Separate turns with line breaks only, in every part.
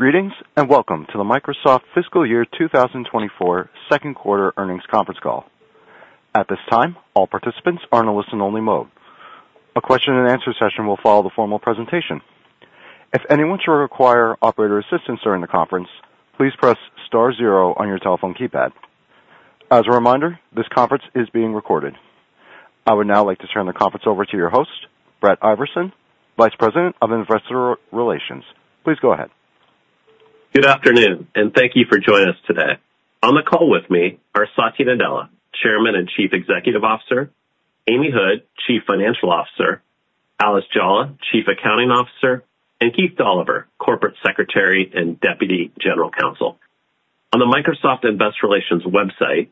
Greetings, and welcome to the Microsoft Fiscal Year 2024 Second Quarter earnings conference call. At this time, all participants are in a listen-only mode. A question-and-answer session will follow the formal presentation. If anyone should require operator assistance during the conference, please press star zero on your telephone keypad. As a reminder, this conference is being recorded. I would now like to turn the conference over to your host, Brett Iversen, Vice President of Investor Relations. Please go ahead.
Good afternoon, and thank you for joining us today. On the call with me are Satya Nadella, Chairman and Chief Executive Officer; Amy Hood, Chief Financial Officer; Alice Jolla, Chief Accounting Officer; and Keith Dolliver, Corporate Secretary and Deputy General Counsel. On the Microsoft Investor Relations website,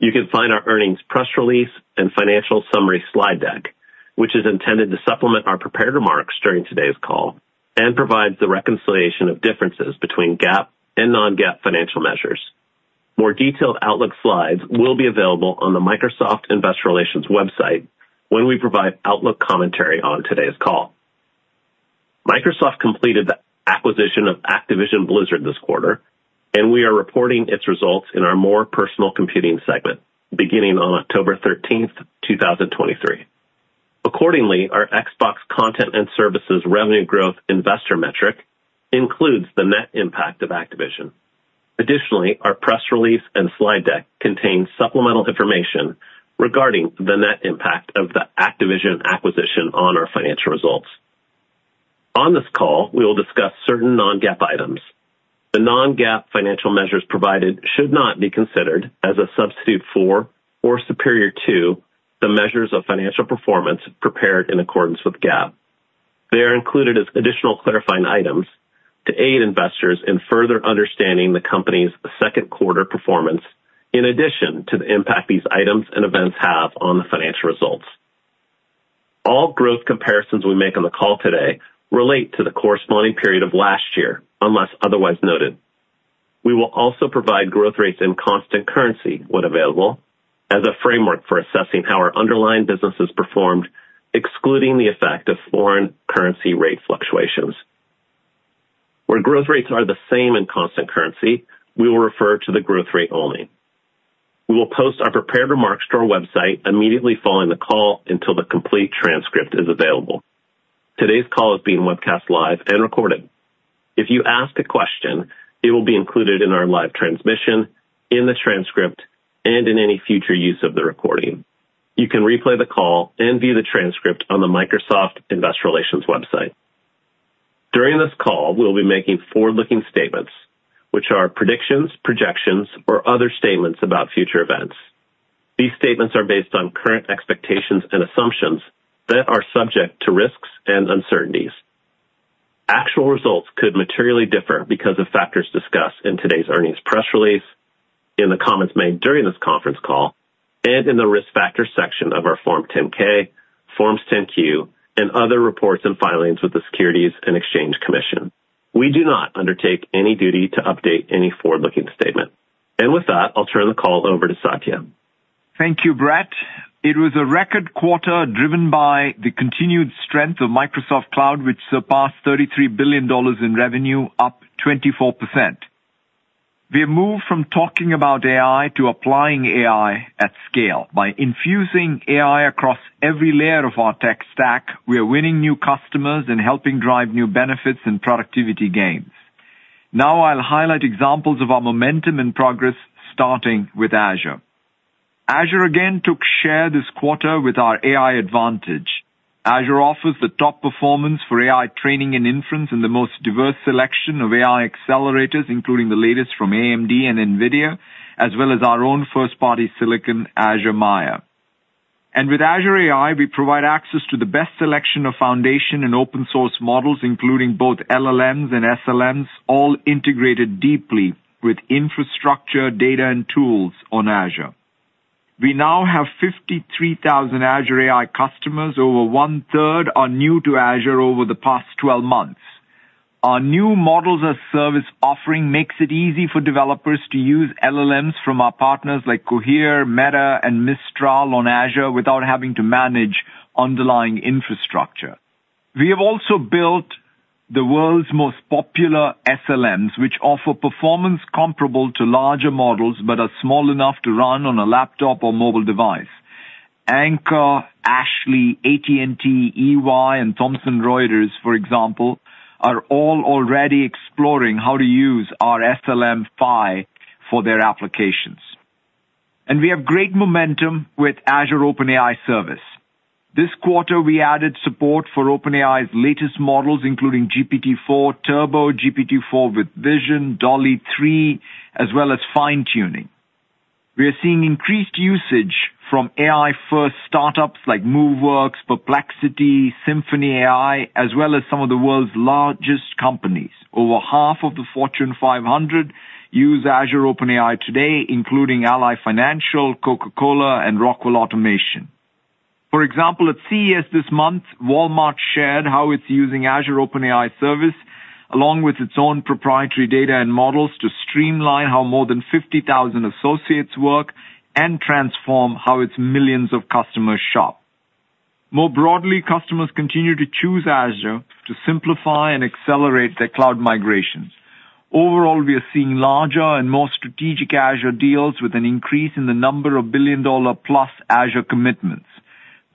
you can find our earnings press release and financial summary slide deck, which is intended to supplement our prepared remarks during today's call and provides the reconciliation of differences between GAAP and non-GAAP financial measures. More detailed outlook slides will be available on the Microsoft Investor Relations website when we provide outlook commentary on today's call. Microsoft completed the acquisition of Activision Blizzard this quarter, and we are reporting its results in our More Personal Computing segment beginning on October 13, 2023. Accordingly, our Xbox Content and Services revenue growth investor metric includes the net impact of Activision. Additionally, our press release and slide deck contain supplemental information regarding the net impact of the Activision acquisition on our financial results. On this call, we will discuss certain non-GAAP items. The non-GAAP financial measures provided should not be considered as a substitute for or superior to the measures of financial performance prepared in accordance with GAAP. They are included as additional clarifying items to aid investors in further understanding the company's second quarter performance, in addition to the impact these items and events have on the financial results. All growth comparisons we make on the call today relate to the corresponding period of last year, unless otherwise noted. We will also provide growth rates in constant currency, when available, as a framework for assessing how our underlying businesses performed, excluding the effect of foreign currency rate fluctuations. Where growth rates are the same in constant currency, we will refer to the growth rate only. We will post our prepared remarks to our website immediately following the call until the complete transcript is available. Today's call is being webcast live and recorded. If you ask a question, it will be included in our live transmission, in the transcript, and in any future use of the recording. You can replay the call and view the transcript on the Microsoft Investor Relations website. During this call, we'll be making forward-looking statements, which are predictions, projections, or other statements about future events. These statements are based on current expectations and assumptions that are subject to risks and uncertainties. Actual results could materially differ because of factors discussed in today's earnings press release, in the comments made during this conference call, and in the Risk Factors section of our Form 10-K, Forms 10-Q, and other reports and filings with the Securities and Exchange Commission. We do not undertake any duty to update any forward-looking statement. With that, I'll turn the call over to Satya.
Thank you, Brett. It was a record quarter driven by the continued strength of Microsoft Cloud, which surpassed $33 billion in revenue, up 24%. We have moved from talking about AI to applying AI at scale. By infusing AI across every layer of our tech stack, we are winning new customers and helping drive new benefits and productivity gains. Now I'll highlight examples of our momentum and progress, starting with Azure. Azure again took share this quarter with our AI advantage. Azure offers the top performance for AI training and inference in the most diverse selection of AI accelerators, including the latest from AMD and NVIDIA, as well as our own first-party silicon, Azure Maia. And with Azure AI, we provide access to the best selection of foundation and open-source models, including both LLMs and SLMs, all integrated deeply with infrastructure, data, and tools on Azure. We now have 53,000 Azure AI customers. Over one-third are new to Azure over the past 12 months. Our new Models as a Service offering makes it easy for developers to use LLMs from our partners like Cohere, Meta, and Mistral on Azure without having to manage underlying infrastructure. We have also built the world's most popular SLMs, which offer performance comparable to larger models but are small enough to run on a laptop or mobile device. Amgen, Ashley, AT&T, EY, and Thomson Reuters, for example, are all already exploring how to use our SLM Phi for their applications. We have great momentum with Azure OpenAI Service. This quarter, we added support for OpenAI's latest models, including GPT-4 Turbo, GPT-4 with Vision, DALL-E 3, as well as fine-tuning. We are seeing increased usage from AI-first startups like Moveworks, Perplexity, SymphonyAI, as well as some of the world's largest companies. Over half of the Fortune 500 use Azure OpenAI today, including Ally Financial, Coca-Cola, and Rockwell Automation. For example, at CES this month, Walmart shared how it's using Azure OpenAI service, along with its own proprietary data and models, to streamline how more than 50,000 associates work and transform how its millions of customers shop. More broadly, customers continue to choose Azure to simplify and accelerate their cloud migrations. Overall, we are seeing larger and more strategic Azure deals with an increase in the number of billion-dollar plus Azure commitments.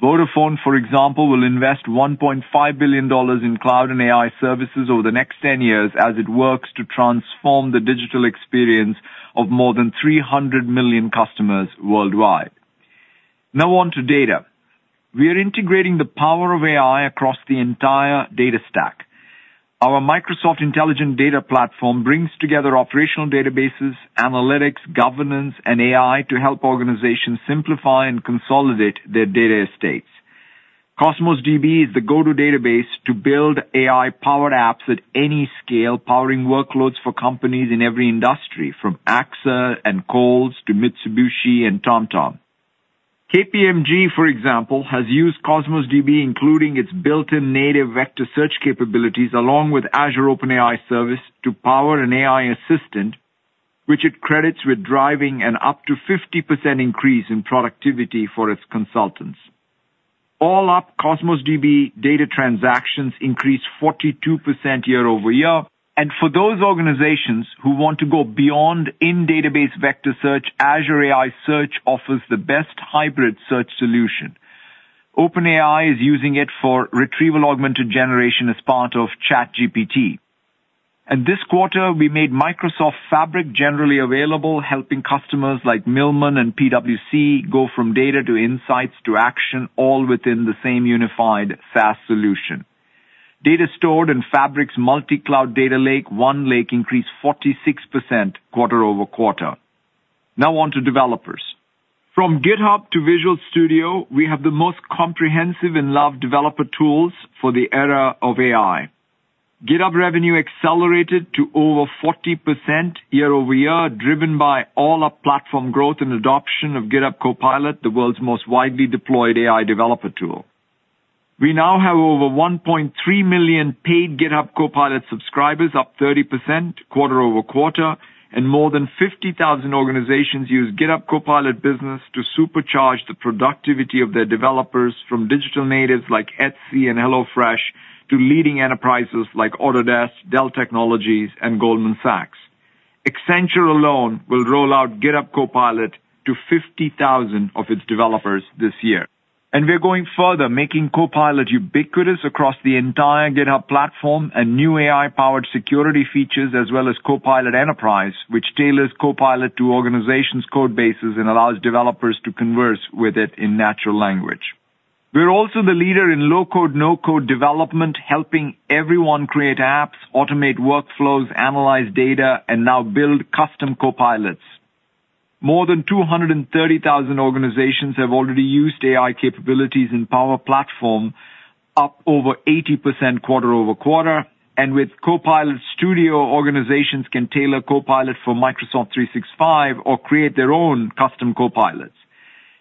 Vodafone, for example, will invest $1.5 billion in cloud and AI services over the next 10 years as it works to transform the digital experience of more than 300 million customers worldwide. Now on to data. We are integrating the power of AI across the entire data stack. Our Microsoft Intelligent Data Platform brings together operational databases, analytics, governance, and AI to help organizations simplify and consolidate their data estates. Cosmos DB is the go-to database to build AI-powered apps at any scale, powering workloads for companies in every industry, from AXA and Kohl's to Mitsubishi and TomTom. KPMG, for example, has used Cosmos DB, including its built-in native vector search capabilities, along with Azure OpenAI Service, to power an AI assistant, which it credits with driving an up to 50% increase in productivity for its consultants. All up, Cosmos DB data transactions increased 42% year-over-year, and for those organizations who want to go beyond in-database vector search, Azure AI Search offers the best hybrid search solution. OpenAI is using it for retrieval augmented generation as part of ChatGPT. This quarter, we made Microsoft Fabric generally available, helping customers like Milliman and PwC go from data to insights to action, all within the same unified SaaS solution. Data stored in Fabric's multi-cloud data lake, OneLake, increased 46% quarter-over-quarter. Now on to developers. From GitHub to Visual Studio, we have the most comprehensive and loved developer tools for the era of AI. GitHub revenue accelerated to over 40% year-over-year, driven by all our platform growth and adoption of GitHub Copilot, the world's most widely deployed AI developer tool. We now have over 1.3 million paid GitHub Copilot subscribers, up 30% quarter-over-quarter, and more than 50,000 organizations use GitHub Copilot Business to supercharge the productivity of their developers from digital natives like Etsy and HelloFresh to leading enterprises like Autodesk, Dell Technologies, and Goldman Sachs. Accenture alone will roll out GitHub Copilot to 50,000 of its developers this year. We are going further, making Copilot ubiquitous across the entire GitHub platform and new AI-powered security features, as well as Copilot Enterprise, which tailors Copilot to organizations' code bases and allows developers to converse with it in natural language. We're also the leader in low-code, no-code development, helping everyone create apps, automate workflows, analyze data, and now build custom Copilots. More than 230,000 organizations have already used AI capabilities in Power Platform, up over 80% quarter-over-quarter, and with Copilot Studio, organizations can tailor Copilot for Microsoft 365 or create their own custom Copilots.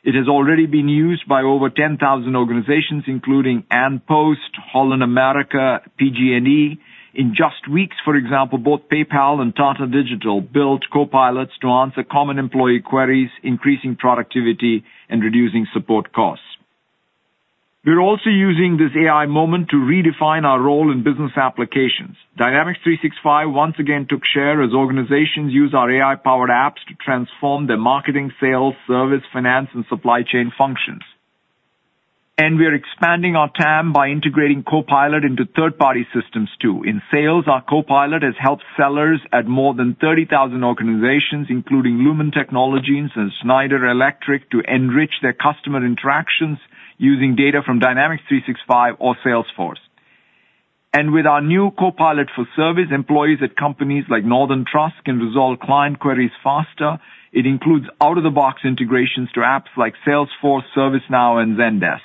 It has already been used by over 10,000 organizations, including An Post, Holland America, PG&E. In just weeks, for example, both PayPal and Tata Digital built Copilots to answer common employee queries, increasing productivity and reducing support costs. We're also using this AI moment to redefine our role in business applications. Dynamics 365 once again took share as organizations use our AI-powered apps to transform their marketing, sales, service, finance, and supply chain functions. We are expanding our TAM by integrating Copilot into third-party systems, too. In sales, our Copilot has helped sellers at more than 30,000 organizations, including Lumen Technologies and Schneider Electric, to enrich their customer interactions using data from Dynamics 365 or Salesforce. With our new Copilot for Service, employees at companies like Northern Trust can resolve client queries faster. It includes out-of-the-box integrations to apps like Salesforce, ServiceNow, and Zendesk.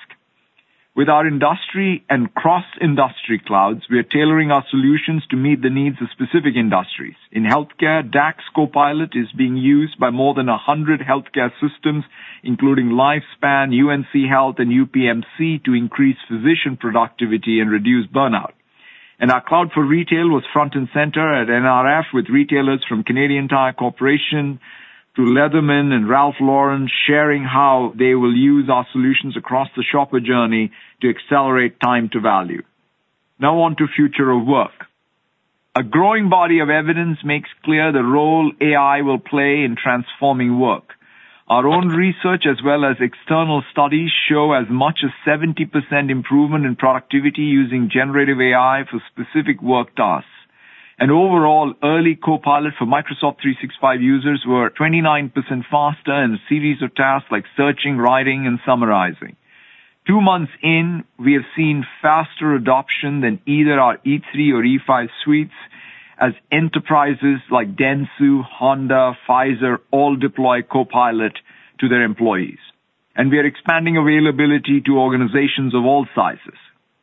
With our industry and cross-industry clouds, we are tailoring our solutions to meet the needs of specific industries. In healthcare, DAX Copilot is being used by more than 100 healthcare systems, including Lifespan, UNC Health, and UPMC, to increase physician productivity and reduce burnout. Our Cloud for Retail was front and center at NRF with retailers from Canadian Tire Corporation to Leatherman and Ralph Lauren sharing how they will use our solutions across the shopper journey to accelerate time to value. Now on to future of work. A growing body of evidence makes clear the role AI will play in transforming work. Our own research, as well as external studies, show as much as 70% improvement in productivity using generative AI for specific work tasks. Overall, early Copilot for Microsoft 365 users were 29% faster in a series of tasks like searching, writing, and summarizing. Two months in, we have seen faster adoption than either our E3 or E5 suites as enterprises like Dentsu, Honda, Pfizer, all deploy Copilot to their employees, and we are expanding availability to organizations of all sizes.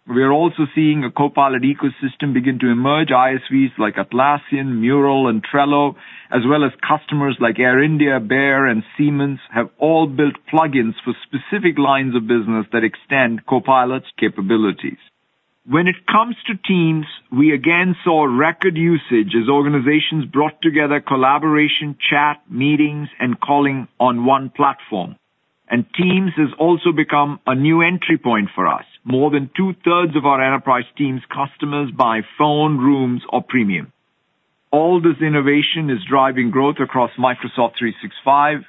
We are also seeing a Copilot ecosystem begin to emerge. ISVs like Atlassian, Mural, and Trello, as well as customers like Air India, Bayer, and Siemens, have all built plugins for specific lines of business that extend Copilot's capabilities.... When it comes to Teams, we again saw record usage as organizations brought together collaboration, chat, meetings, and calling on one platform. Teams has also become a new entry point for us. More than two-thirds of our enterprise Teams customers buy phone, rooms, or premium. All this innovation is driving growth across Microsoft 365.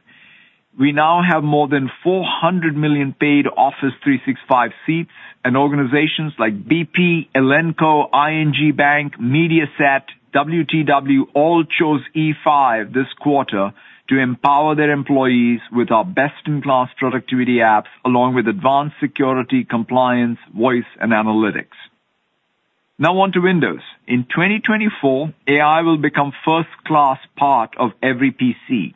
We now have more than 400 million paid Office 365 seats, and organizations like BP, Elanco, ING Bank, Mediaset, WTW, all chose E5 this quarter to empower their employees with our best-in-class productivity apps, along with advanced security, compliance, voice, and analytics. Now on to Windows. In 2024, AI will become first-class part of every PC.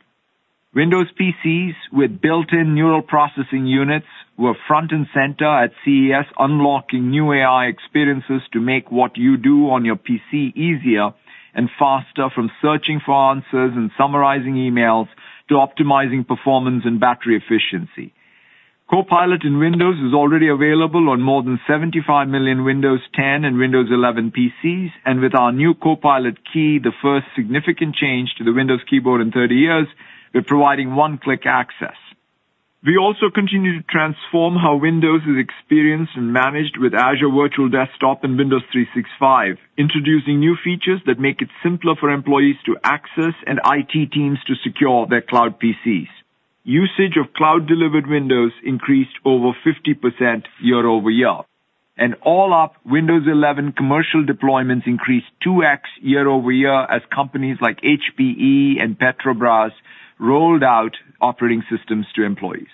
Windows PCs with built-in neural processing units were front and center at CES, unlocking new AI experiences to make what you do on your PC easier and faster, from searching for answers and summarizing emails to optimizing performance and battery efficiency. Copilot in Windows is already available on more than 75 million Windows 10 and Windows 11 PCs, and with our new Copilot key, the first significant change to the Windows keyboard in 30 years, we're providing one-click access. We also continue to transform how Windows is experienced and managed with Azure Virtual Desktop and Windows 365, introducing new features that make it simpler for employees to access and IT teams to secure their cloud PCs. Usage of cloud-delivered Windows increased over 50% year-over-year, and all up, Windows 11 commercial deployments increased 2x year-over-year as companies like HPE and Petrobras rolled out operating systems to employees.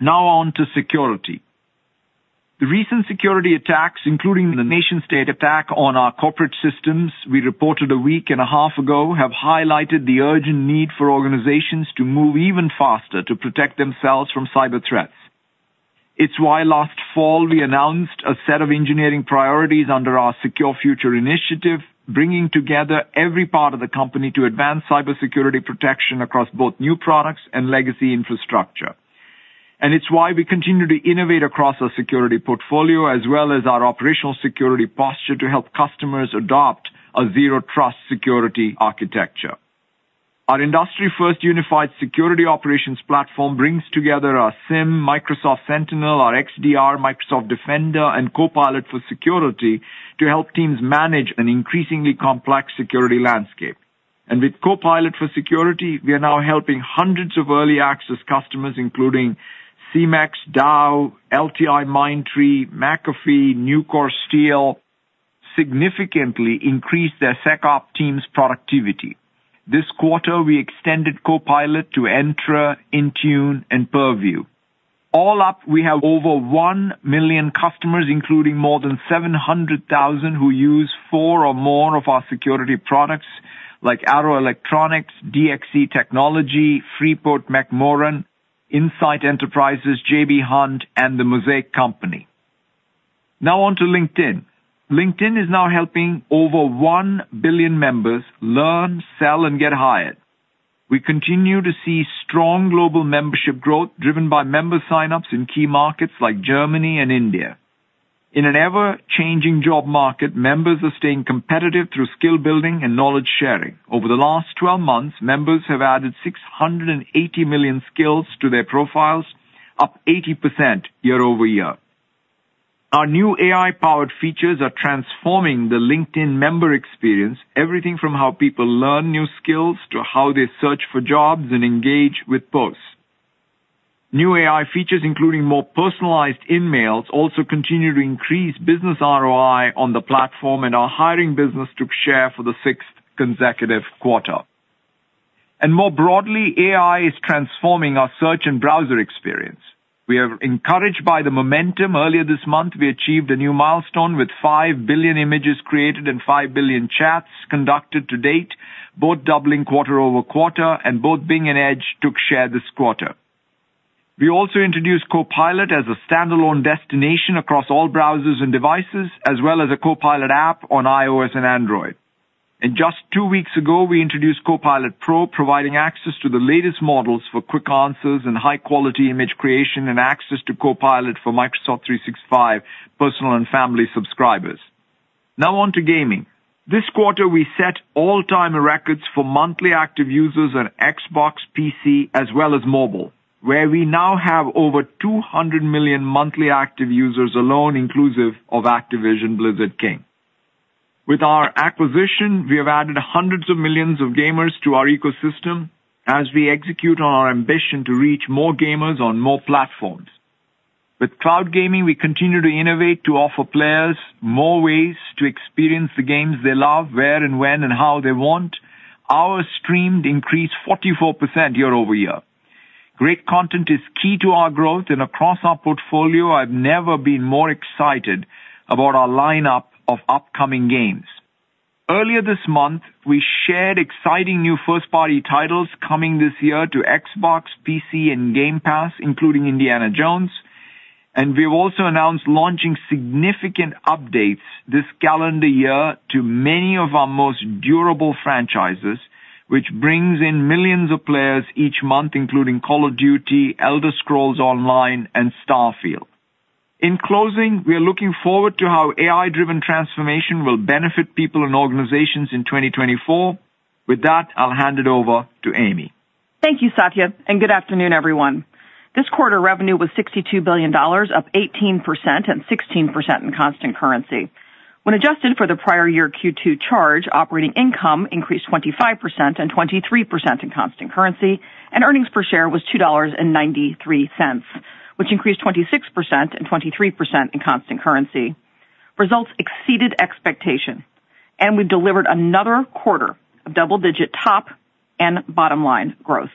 Now on to security. The recent security attacks, including the nation-state attack on our corporate systems we reported a week and a half ago, have highlighted the urgent need for organizations to move even faster to protect themselves from cyber threats. It's why last fall, we announced a set of engineering priorities under our Secure Future Initiative, bringing together every part of the company to advance cybersecurity protection across both new products and legacy infrastructure. It's why we continue to innovate across our security portfolio, as well as our operational security posture, to help customers adopt a Zero Trust security architecture. Our industry-first unified security operations platform brings together our SIEM, Microsoft Sentinel, our XDR, Microsoft Defender, and Copilot for Security to help teams manage an increasingly complex security landscape. And with Copilot for Security, we are now helping hundreds of early access customers, including Cemex, Dow, LTIMindtree, McAfee, Nucor Steel, significantly increase their SecOp team's productivity. This quarter, we extended Copilot to Entra, Intune, and Purview. All up, we have over 1 million customers, including more than 700,000, who use four or more of our security products, like Arrow Electronics, DXC Technology, Freeport-McMoRan, Insight Enterprises, J.B. Hunt, and the Mosaic Company. Now on to LinkedIn. LinkedIn is now helping over 1 billion members learn, sell, and get hired. We continue to see strong global membership growth, driven by member sign-ups in key markets like Germany and India. In an ever-changing job market, members are staying competitive through skill building and knowledge sharing. Over the last 12 months, members have added 680 million skills to their profiles, up 80% year-over-year. Our new AI-powered features are transforming the LinkedIn member experience, everything from how people learn new skills to how they search for jobs and engage with posts. New AI features, including more personalized InMails, also continue to increase business ROI on the platform, and our hiring business took share for the sixth consecutive quarter. And more broadly, AI is transforming our search and browser experience. We are encouraged by the momentum. Earlier this month, we achieved a new milestone with 5 billion images created and 5 billion chats conducted to date, both doubling quarter over quarter, and both Bing and Edge took share this quarter. We also introduced Copilot as a standalone destination across all browsers and devices, as well as a Copilot app on iOS and Android. Just two weeks ago, we introduced Copilot Pro, providing access to the latest models for quick answers and high-quality image creation and access to Copilot for Microsoft 365 Personal and Family subscribers. Now on to gaming. This quarter, we set all-time records for monthly active users on Xbox, PC, as well as mobile, where we now have over 200 million monthly active users alone, inclusive of Activision Blizzard King. With our acquisition, we have added hundreds of millions of gamers to our ecosystem as we execute on our ambition to reach more gamers on more platforms. With cloud gaming, we continue to innovate to offer players more ways to experience the games they love, where and when, and how they want, hours streamed increased 44% year-over-year. Great content is key to our growth, and across our portfolio, I've never been more excited about our lineup of upcoming games. Earlier this month, we shared exciting new first-party titles coming this year to Xbox, PC, and Game Pass, including Indiana Jones. And we've also announced launching significant updates this calendar year to many of our most durable franchises... which brings in millions of players each month, including Call of Duty, Elder Scrolls Online, and Starfield. In closing, we are looking forward to how AI-driven transformation will benefit people and organizations in 2024. With that, I'll hand it over to Amy.
Thank you, Satya, and good afternoon, everyone. This quarter revenue was $62 billion, up 18% and 16% in constant currency. When adjusted for the prior year Q2 charge, operating income increased 25% and 23% in constant currency, and earnings per share was $2.93, which increased 26% and 23% in constant currency. Results exceeded expectations, and we've delivered another quarter of double-digit top and bottom-line growth.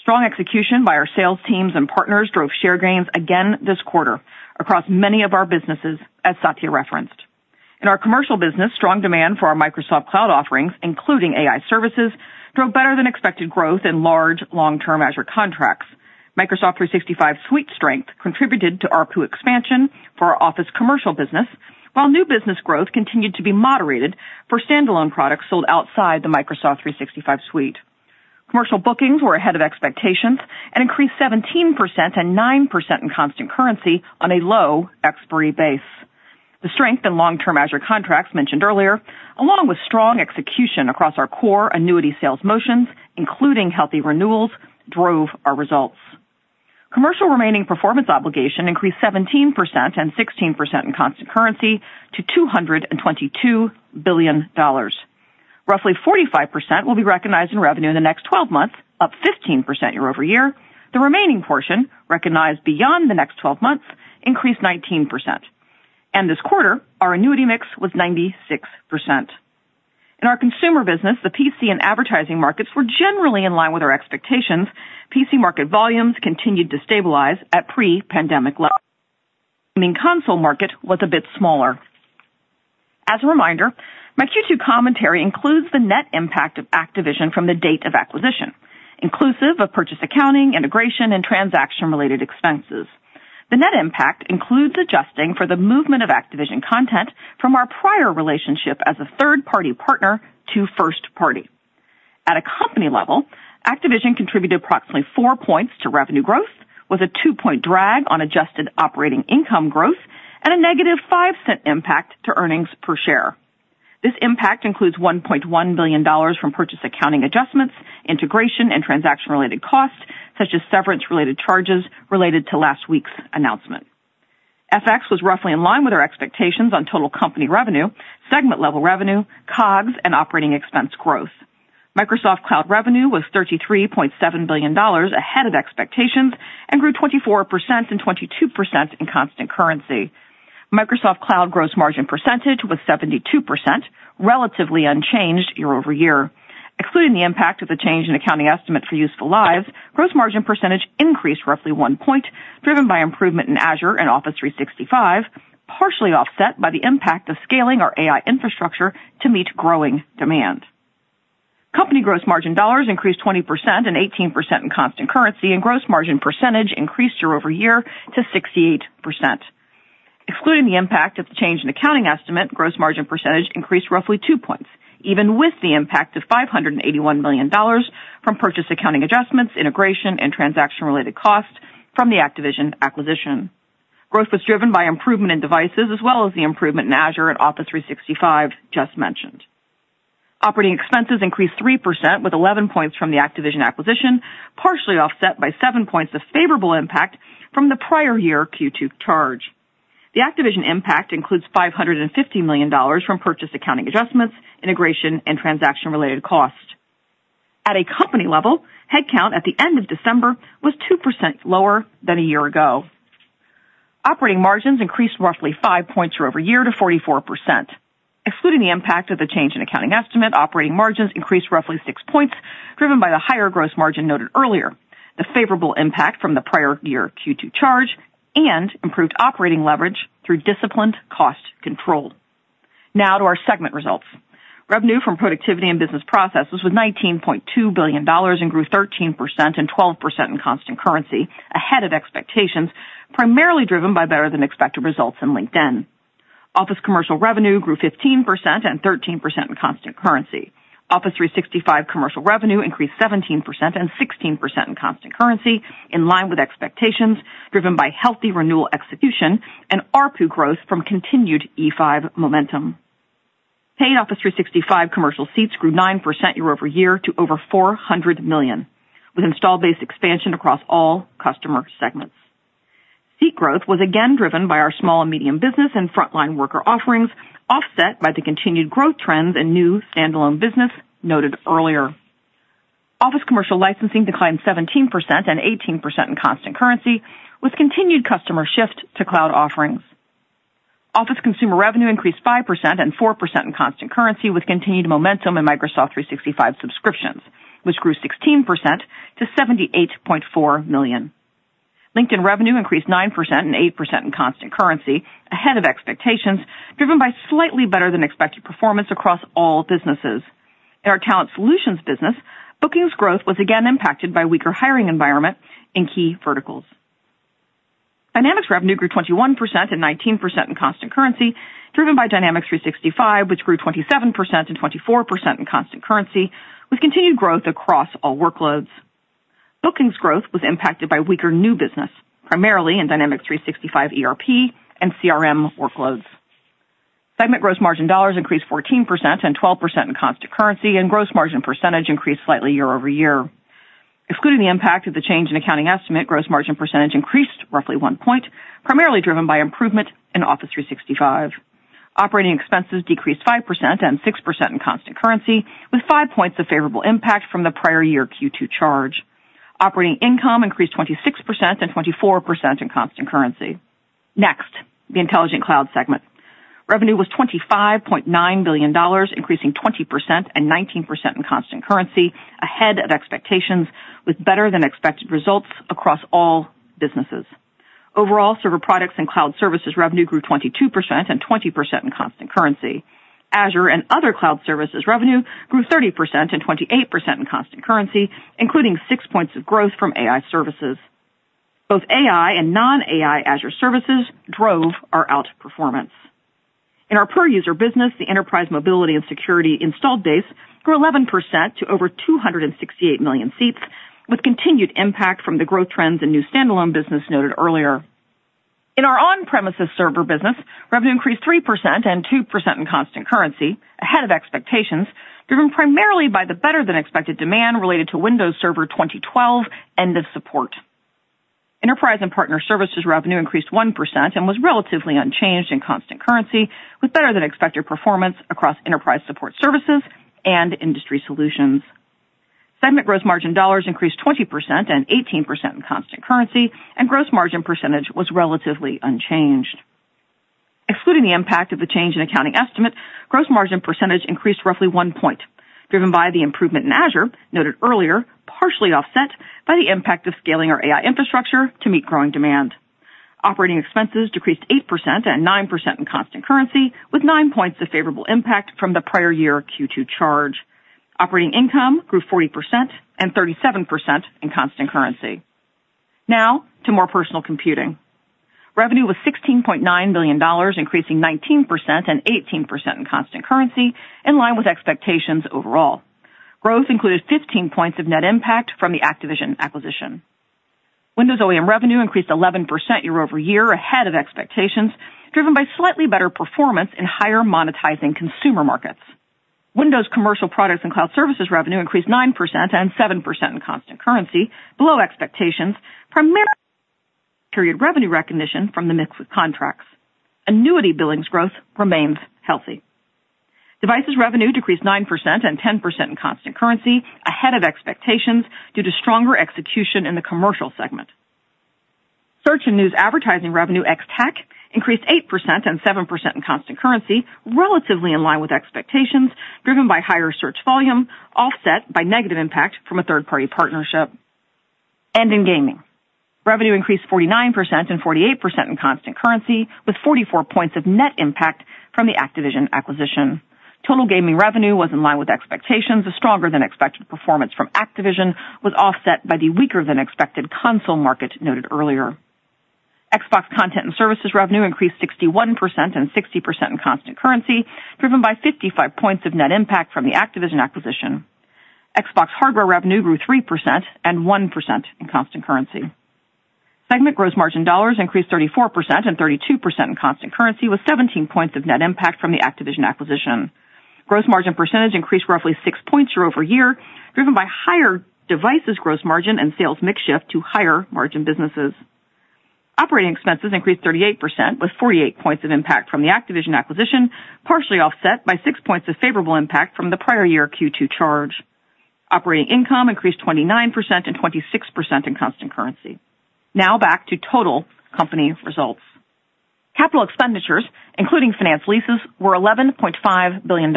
Strong execution by our sales teams and partners drove share gains again this quarter across many of our businesses, as Satya referenced. In our commercial business, strong demand for our Microsoft Cloud offerings, including AI services, drove better-than-expected growth in large, long-term Azure contracts. Microsoft 365 suite strength contributed to ARPU expansion for our Office Commercial business, while new business growth continued to be moderated for standalone products sold outside the Microsoft 365 suite. Commercial bookings were ahead of expectations and increased 17% and 9% in constant currency on a low expiry base. The strength in long-term Azure contracts mentioned earlier, along with strong execution across our core annuity sales motions, including healthy renewals, drove our results. Commercial remaining performance obligation increased 17% and 16% in constant currency to $222 billion. Roughly 45% will be recognized in revenue in the next 12 months, up 15% year-over-year. The remaining portion, recognized beyond the next 12 months, increased 19%. This quarter, our annuity mix was 96%. In our consumer business, the PC and advertising markets were generally in line with our expectations. PC market volumes continued to stabilize at pre-pandemic levels. I mean, console market was a bit smaller. As a reminder, my Q2 commentary includes the net impact of Activision from the date of acquisition, inclusive of purchase accounting, integration, and transaction-related expenses. The net impact includes adjusting for the movement of Activision content from our prior relationship as a third-party partner to first party. At a company level, Activision contributed approximately 4 points to revenue growth, with a 2-point drag on adjusted operating income growth and a negative $0.05 impact to earnings per share. This impact includes $1.1 billion from purchase accounting adjustments, integration, and transaction-related costs, such as severance-related charges related to last week's announcement. FX was roughly in line with our expectations on total company revenue, segment-level revenue, COGS, and operating expense growth. Microsoft Cloud revenue was $33.7 billion, ahead of expectations, and grew 24% and 22% in constant currency. Microsoft Cloud gross margin percentage was 72%, relatively unchanged year-over-year. Excluding the impact of the change in accounting estimate for useful lives, gross margin percentage increased roughly 1 point, driven by improvement in Azure and Office 365, partially offset by the impact of scaling our AI infrastructure to meet growing demand. Company gross margin dollars increased 20% and 18% in constant currency, and gross margin percentage increased year-over-year to 68%. Excluding the impact of the change in accounting estimate, gross margin percentage increased roughly 2 points, even with the impact of $581 million from purchase accounting adjustments, integration, and transaction-related costs from the Activision acquisition. Growth was driven by improvement in devices as well as the improvement in Azure and Office 365, just mentioned. Operating expenses increased 3%, with 11 points from the Activision acquisition, partially offset by 7 points of favorable impact from the prior year Q2 charge. The Activision impact includes $550 million from purchase accounting adjustments, integration, and transaction-related costs. At a company level, headcount at the end of December was 2% lower than a year ago. Operating margins increased roughly 5 points year-over-year to 44%. Excluding the impact of the change in accounting estimate, operating margins increased roughly 6 points, driven by the higher gross margin noted earlier. The favorable impact from the prior year Q2 charge and improved operating leverage through disciplined cost control. Now to our segment results. Revenue from productivity and business processes was $19.2 billion and grew 13% and 12% in constant currency, ahead of expectations, primarily driven by better-than-expected results in LinkedIn. Office Commercial revenue grew 15% and 13% in constant currency. Office 365 commercial revenue increased 17% and 16% in constant currency, in line with expectations, driven by healthy renewal execution and ARPU growth from continued E5 momentum. Paid Office 365 commercial seats grew 9% year-over-year to over 400 million, with installed base expansion across all customer segments. Seat growth was again driven by our small and medium business and frontline worker offerings, offset by the continued growth trends and new standalone business noted earlier. Office Commercial Licensing declined 17% and 18% in constant currency, with continued customer shift to cloud offerings. Office Consumer revenue increased 5% and 4% in constant currency, with continued momentum in Microsoft 365 subscriptions, which grew 16% to 78.4 million. LinkedIn revenue increased 9% and 8% in constant currency, ahead of expectations, driven by slightly better-than-expected performance across all businesses. In our Talent Solutions business, bookings growth was again impacted by weaker hiring environment in key verticals. Dynamics revenue grew 21% and 19% in constant currency, driven by Dynamics 365, which grew 27% and 24% in constant currency, with continued growth across all workloads. Bookings growth was impacted by weaker new business, primarily in Dynamics 365 ERP and CRM workloads. Segment gross margin dollars increased 14% and 12% in constant currency, and gross margin percentage increased slightly year-over-year. Excluding the impact of the change in accounting estimate, gross margin percentage increased roughly 1 point, primarily driven by improvement in Office 365. Operating expenses decreased 5% and 6% in constant currency, with 5 points of favorable impact from the prior year Q2 charge. Operating income increased 26% and 24% in constant currency. Next, the intelligent cloud segment. Revenue was $25.9 billion, increasing 20% and 19% in constant currency, ahead of expectations, with better-than-expected results across all businesses. Overall, Server Products and Cloud Services revenue grew 22% and 20% in constant currency. Azure and Other Cloud Services revenue grew 30% and 28% in constant currency, including 6 points of growth from AI services. Both AI and non-AI Azure services drove our outperformance. In our per-user business, the enterprise mobility and security installed base grew 11% to over 268 million seats, with continued impact from the growth trends in new standalone business noted earlier. In our on-premises server business, revenue increased 3% and 2% in constant currency ahead of expectations, driven primarily by the better-than-expected demand related to Windows Server 2012 end of support. Enterprise and Partner Services revenue increased 1% and was relatively unchanged in constant currency, with better-than-expected performance across enterprise support services and industry solutions. Segment gross margin dollars increased 20% and 18% in constant currency, and gross margin percentage was relatively unchanged. Excluding the impact of the change in accounting estimate, gross margin percentage increased roughly 1 point, driven by the improvement in Azure noted earlier, partially offset by the impact of scaling our AI infrastructure to meet growing demand. Operating expenses decreased 8% and 9% in constant currency, with 9 points of favorable impact from the prior year Q2 charge. Operating income grew 40% and 37% in constant currency. Now to more personal computing. Revenue was $16.9 billion, increasing 19% and 18% in constant currency, in line with expectations overall. Growth included 15 points of net impact from the Activision acquisition. Windows OEM revenue increased 11% year-over-year ahead of expectations, driven by slightly better performance in higher monetizing consumer markets. Windows Commercial Products and Cloud Services revenue increased 9% and 7% in constant currency, below expectations, primarily period revenue recognition from the mix of contracts. Annuity billings growth remains healthy. Devices revenue decreased 9% and 10% in constant currency ahead of expectations, due to stronger execution in the commercial segment. Search and News Advertising revenue ex-TAC increased 8% and 7% in constant currency, relatively in line with expectations, driven by higher search volume, offset by negative impact from a third-party partnership. In gaming, revenue increased 49% and 48% in constant currency, with 44 points of net impact from the Activision acquisition. Total gaming revenue was in line with expectations, a stronger-than-expected performance from Activision was offset by the weaker-than-expected console market noted earlier. Xbox Content and Services revenue increased 61% and 60% in constant currency, driven by 55 points of net impact from the Activision acquisition. Xbox hardware revenue grew 3% and 1% in constant currency. Segment gross margin dollars increased 34% and 32% in constant currency, with 17 points of net impact from the Activision acquisition. Gross margin percentage increased roughly 6 points year-over-year, driven by higher devices gross margin and sales mix shift to higher margin businesses. Operating expenses increased 38%, with 48 points of impact from the Activision acquisition, partially offset by 6 points of favorable impact from the prior year Q2 charge. Operating income increased 29% and 26% in constant currency. Now back to total company results. Capital expenditures, including finance leases, were $11.5 billion,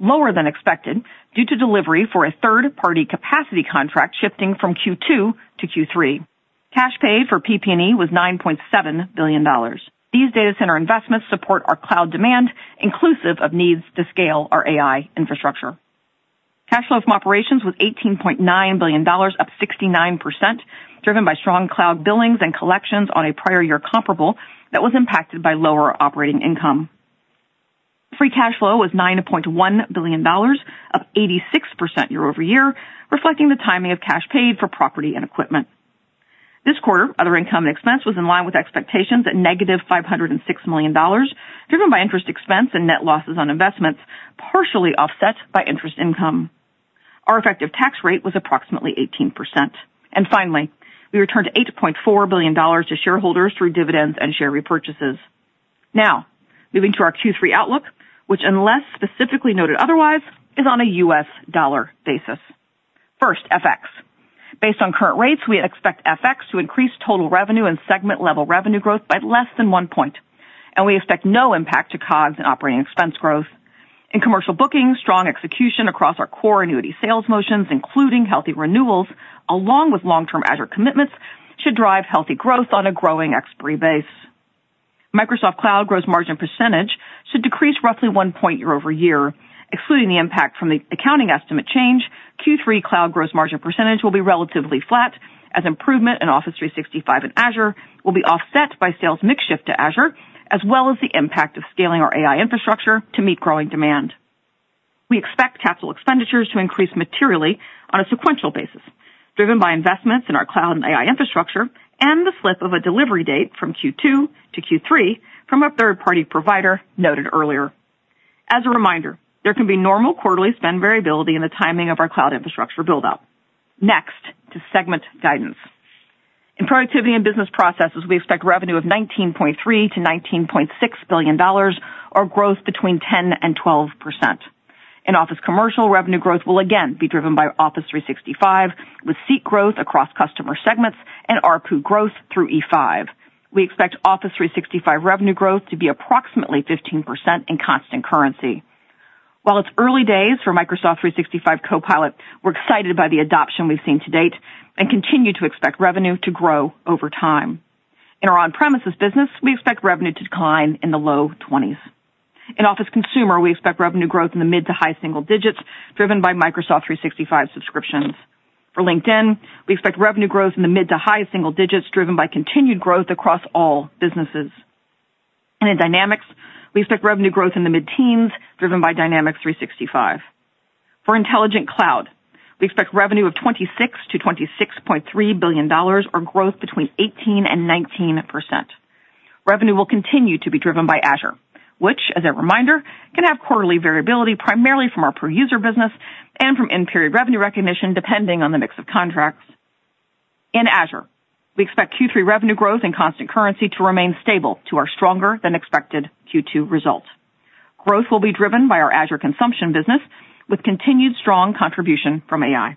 lower than expected due to delivery for a third-party capacity contract, shifting from Q2 to Q3. Cash paid for PP&E was $9.7 billion. These data center investments support our cloud demand, inclusive of needs to scale our AI infrastructure. Cash flow from operations was $18.9 billion, up 69%, driven by strong cloud billings and collections on a prior year comparable that was impacted by lower operating income. Free cash flow was $9.1 billion, up 86% year-over-year, reflecting the timing of cash paid for property and equipment. This quarter, other income and expense was in line with expectations at -$506 million, driven by interest expense and net losses on investments, partially offset by interest income. Our effective tax rate was approximately 18%. Finally, we returned $8.4 billion to shareholders through dividends and share repurchases. Now, moving to our Q3 outlook, which, unless specifically noted otherwise, is on a U.S. dollar basis. First, FX. Based on current rates, we expect FX to increase total revenue and segment-level revenue growth by less than 1 point, and we expect no impact to COGS and operating expense growth. In commercial bookings, strong execution across our core annuity sales motions, including healthy renewals, along with long-term Azure commitments, should drive healthy growth on a growing expiry base. Microsoft Cloud gross margin percentage should decrease roughly 1 point year-over-year, excluding the impact from the accounting estimate change. Q3 Cloud gross margin percentage will be relatively flat, as improvement in Office 365 and Azure will be offset by sales mix shift to Azure, as well as the impact of scaling our AI infrastructure to meet growing demand. We expect capital expenditures to increase materially on a sequential basis, driven by investments in our cloud and AI infrastructure and the slip of a delivery date from Q2 to Q3 from a third-party provider noted earlier. As a reminder, there can be normal quarterly spend variability in the timing of our cloud infrastructure buildup. Next, to segment guidance. In productivity and business processes, we expect revenue of $19.3 billion-$19.6 billion, or growth between 10%-12%. In Office Commercial, revenue growth will again be driven by Office 365, with seat growth across customer segments and ARPU growth through E5. We expect Office 365 revenue growth to be approximately 15% in constant currency. While it's early days for Microsoft 365 Copilot, we're excited by the adoption we've seen to date and continue to expect revenue to grow over time. In our on-premises business, we expect revenue to decline in the low 20s. In Office Consumer, we expect revenue growth in the mid- to high-single digits, driven by Microsoft 365 subscriptions. For LinkedIn, we expect revenue growth in the mid- to high-single digits, driven by continued growth across all businesses. In Dynamics, we expect revenue growth in the mid-teens, driven by Dynamics 365. For Intelligent Cloud, we expect revenue of $26-$26.3 billion, or growth between 18% and 19%. Revenue will continue to be driven by Azure, which, as a reminder, can have quarterly variability primarily from our per-user business and from in-period revenue recognition, depending on the mix of contracts. In Azure, we expect Q3 revenue growth in constant currency to remain stable to our stronger-than-expected Q2 results. Growth will be driven by our Azure consumption business, with continued strong contribution from AI.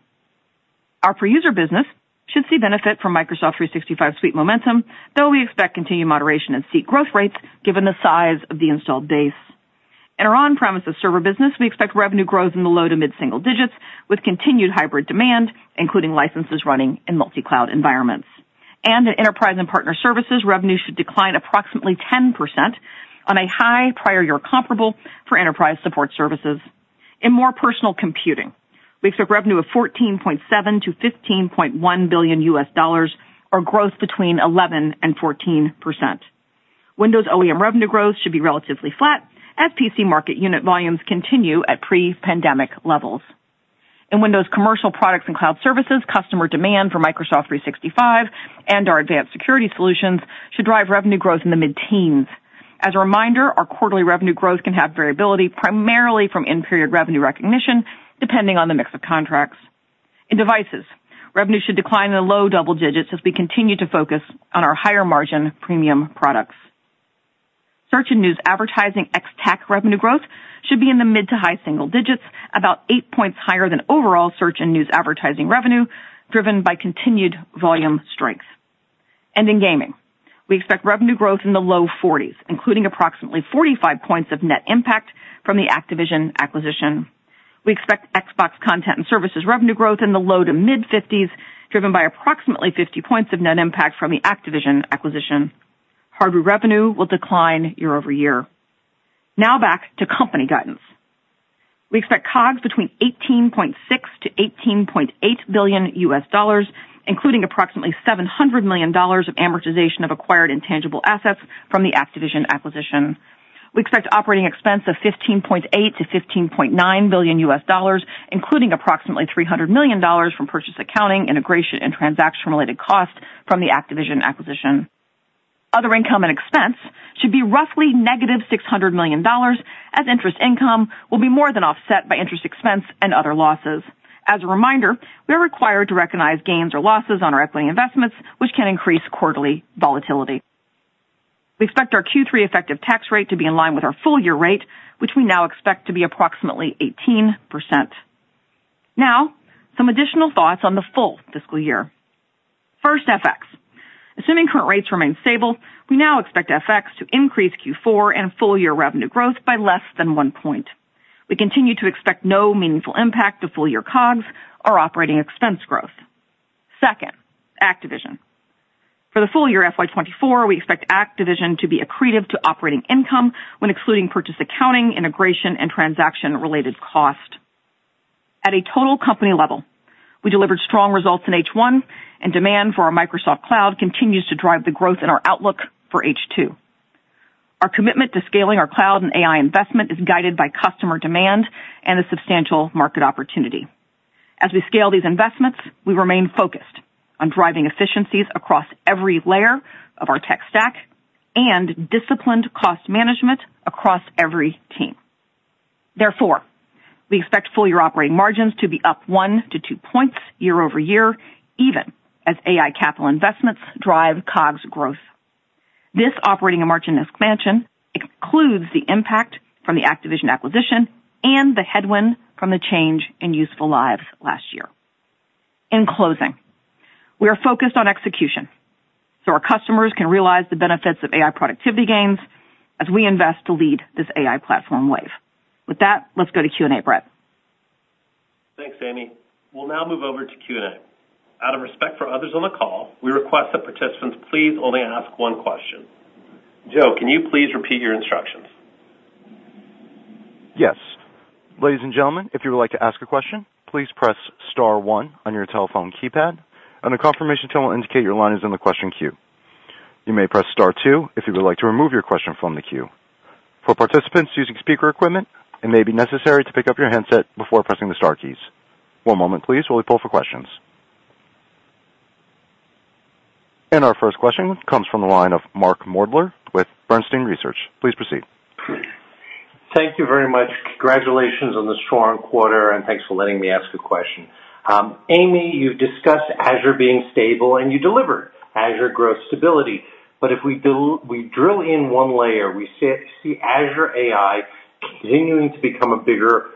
Our per-user business should see benefit from Microsoft 365 suite momentum, though we expect continued moderation in seat growth rates given the size of the installed base. In our on-premises server business, we expect revenue growth in the low to mid-single digits, with continued hybrid demand, including licenses running in multi-cloud environments. In enterprise and partner services, revenue should decline approximately 10% on a high prior year comparable for enterprise support services. In more personal computing, we expect revenue of $14.7 billion-$15.1 billion, or growth between 11% and 14%. Windows OEM revenue growth should be relatively flat as PC market unit volumes continue at pre-pandemic levels. In Windows Commercial Products and Cloud Services, customer demand for Microsoft 365 and our advanced security solutions should drive revenue growth in the mid-teens. As a reminder, our quarterly revenue growth can have variability, primarily from in-period revenue recognition, depending on the mix of contracts. In devices, revenue should decline in the low double digits as we continue to focus on our higher-margin premium products. Search and News Advertising ex-TAC revenue growth should be in the mid- to high-single digits, about 8 points higher than overall search and news advertising revenue, driven by continued volume strength. And in gaming, we expect revenue growth in the low 40s, including approximately 45 points of net impact from the Activision acquisition. We expect Xbox Content and Services revenue growth in the low- to mid-50s, driven by approximately 50 points of net impact from the Activision acquisition. Hardware revenue will decline year-over-year. Now back to company guidance. We expect COGS between $18.6 billion-$18.8 billion, including approximately $700 million of amortization of acquired intangible assets from the Activision acquisition. We expect operating expense of $15.8 billion-$15.9 billion, including approximately $300 million from purchase, accounting, integration, and transaction-related costs from the Activision acquisition. Other income and expense should be roughly -$600 million, as interest income will be more than offset by interest expense and other losses. As a reminder, we are required to recognize gains or losses on our equity investments, which can increase quarterly volatility. We expect our Q3 effective tax rate to be in line with our full year rate, which we now expect to be approximately 18%. Now, some additional thoughts on the full fiscal year. First, FX. Assuming current rates remain stable, we now expect FX to increase Q4 and full year revenue growth by less than 1 point. We continue to expect no meaningful impact to full year COGS or operating expense growth. Second, Activision. For the full year FY 2024, we expect Activision to be accretive to operating income when excluding purchase, accounting, integration, and transaction-related costs. At a total company level, we delivered strong results in H1, and demand for our Microsoft Cloud continues to drive the growth in our outlook for H2. Our commitment to scaling our cloud and AI investment is guided by customer demand and the substantial market opportunity. As we scale these investments, we remain focused on driving efficiencies across every layer of our tech stack and disciplined cost management across every team. Therefore, we expect full-year operating margins to be up 1-2 points year-over-year, even as AI capital investments drive COGS growth. This operating and margin expansion excludes the impact from the Activision acquisition and the headwind from the change in useful lives last year. In closing, we are focused on execution, so our customers can realize the benefits of AI productivity gains as we invest to lead this AI platform wave. With that, let's go to Q&A. Brett?
Thanks Amy, we'll now move over to Q&A. Out of respect for others on the call, we request that participants please only ask one question. Joe, can you please repeat your instructions?
Yes. Ladies and gentlemen, if you would like to ask a question, please press star one on your telephone keypad, and a confirmation tone will indicate your line is in the question queue. You may press star two if you would like to remove your question from the queue. For participants using speaker equipment, it may be necessary to pick up your handset before pressing the star keys. One moment, please, while we pull for questions. And our first question comes from the line of Mark Moerdler with Bernstein Research. Please proceed.
Thank you very much. Congratulations on the strong quarter, and thanks for letting me ask a question. Amy, you've discussed Azure being stable, and you delivered Azure growth stability. But if we drill in one layer, we see Azure AI continuing to become a bigger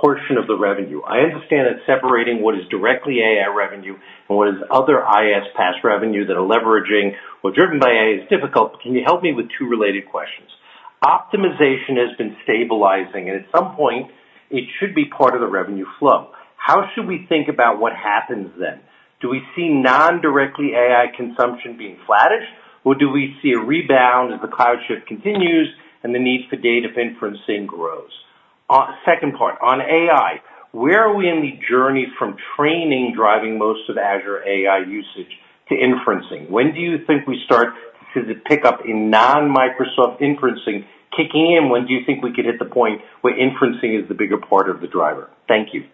portion of the revenue. I understand it's separating what is directly AI revenue and what is other IaaS PaaS revenue that are leveraging or driven by AI is difficult, but can you help me with two related questions? Optimization has been stabilizing, and at some point, it should be part of the revenue flow. How should we think about what happens then? Do we see non-directly AI consumption being flattish, or do we see a rebound as the cloud shift continues and the need for data inferencing grows? Second part, on AI, where are we in the journey from training driving most of Azure AI usage to inferencing? When do you think we start to see the pickup in non-Microsoft inferencing kicking in, when do you think we could hit the point where inferencing is the bigger part of the driver? Thank you.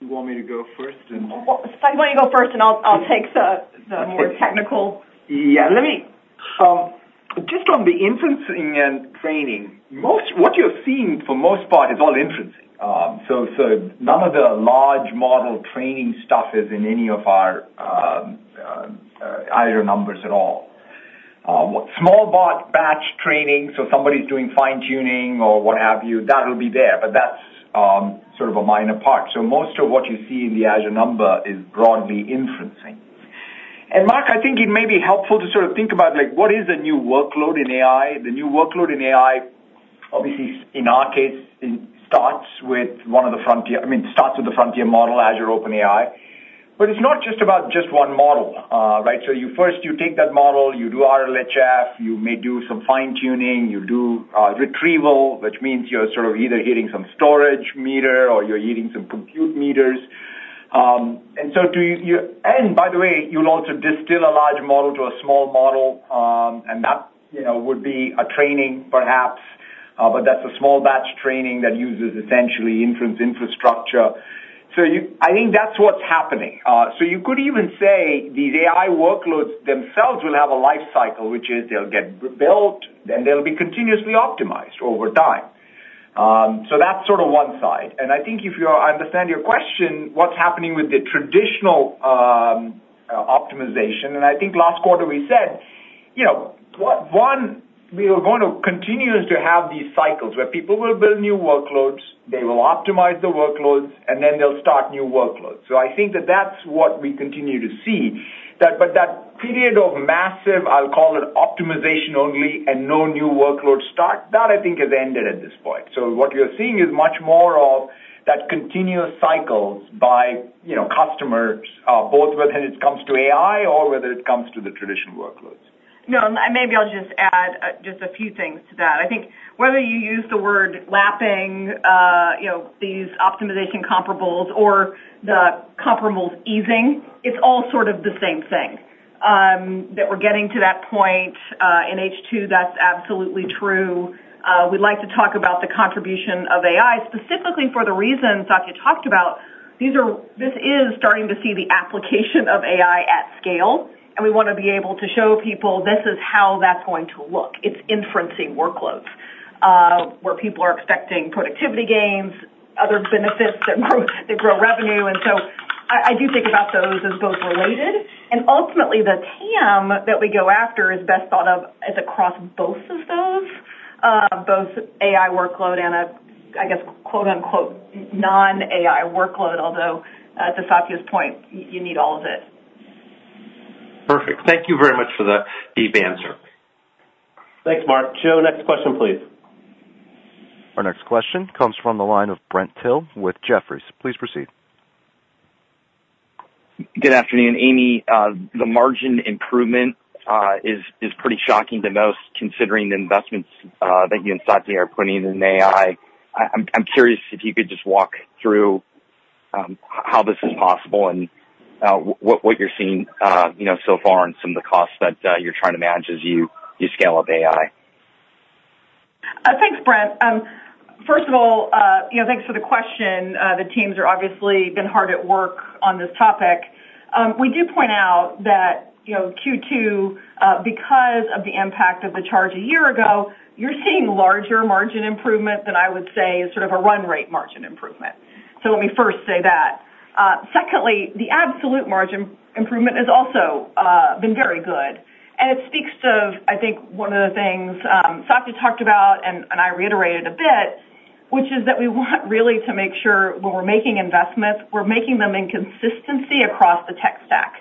You want me to go first and—
Well, Satya, why don't you go first, and I'll take the more technical.
Yeah, let me. Just on the inferencing and training, what you're seeing for most part is all inferencing. So none of the large model training stuff is in any of our Azure numbers at all. Small batch training, so somebody's doing fine-tuning or what have you, that'll be there, but that's sort of a minor part. So most of what you see in the Azure number is broadly inferencing. And, Mark, I think it may be helpful to sort of think about, like, what is the new workload in AI? The new workload in AI, obviously, in our case, it starts with one of the frontier, I mean, it starts with the frontier model, Azure OpenAI. But it's not just about just one model, right? So you first, you take that model, you do RLHF, you may do some fine-tuning, you do retrieval, which means you're sort of either hitting some storage meter or you're hitting some compute meters. And by the way, you'll also distill a large model to a small model, and that, you know, would be a training perhaps, but that's a small batch training that uses essentially inference infrastructure. I think that's what's happening. So you could even say these AI workloads themselves will have a life cycle, which is they'll get built, then they'll be continuously optimized over time. So that's sort of one side. I think I understand your question, what's happening with the traditional optimization, and I think last quarter we said, you know, one, we are going to continue to have these cycles where people will build new workloads, they will optimize the workloads, and then they'll start new workloads. So I think that that's what we continue to see. That, but that period of massive, I'll call it optimization only and no new workload start, that I think has ended at this point. So what you're seeing is much more of that continuous cycles by, you know, customers, both whether it comes to AI or whether it comes to the traditional workloads.
No, maybe I'll just add, just a few things to that. I think whether you use the word lapping, you know, these optimization comparables or the comparables easing, it's all sort of the same thing, that we're getting to that point, in H2, that's absolutely true. We'd like to talk about the contribution of AI, specifically for the reasons Satya talked about. This is starting to see the application of AI at scale, and we want to be able to show people this is how that's going to look. It's inferencing workloads, where people are expecting productivity gains, other benefits that grow, that grow revenue. I do think about those as both related, and ultimately, the TAM that we go after is best thought of as across both of those, both AI workload and a, I guess, quote-unquote, "non-AI workload," although, to Satya's point, you need all of it.
Perfect. Thank you very much for the deep answer.
Thanks, Mark. Joe, next question, please.
Our next question comes from the line of Brent Thill with Jefferies. Please proceed.
Good afternoon. Amy, the margin improvement is pretty shocking to most, considering the investments that you and Satya are putting in AI. I'm curious if you could just walk through how this is possible and what you're seeing, you know, so far on some of the costs that you're trying to manage as you scale up AI.
Thanks, Brent. First of all, you know, thanks for the question. The teams are obviously been hard at work on this topic. We do point out that, you know, Q2, because of the impact of the charge a year ago, you're seeing larger margin improvement than I would say is sort of a run rate margin improvement. So let me first say that. Secondly, the absolute margin improvement has also been very good, and it speaks to, I think, one of the things, Satya talked about and I reiterated a bit, which is that we want really to make sure when we're making investments, we're making them in consistency across the tech stack...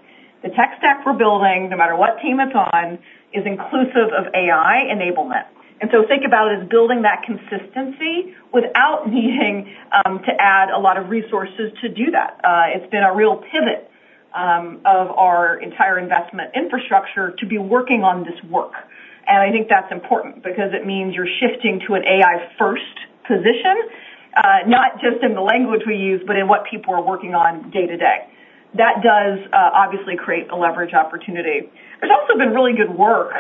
the tech stack we're building, no matter what team it's on, is inclusive of AI enablement. Think about it as building that consistency without needing to add a lot of resources to do that. It's been a real pivot of our entire investment infrastructure to be working on this work. I think that's important because it means you're shifting to an AI first position, not just in the language we use, but in what people are working on day-to-day. That does obviously create a leverage opportunity. There's also been really good work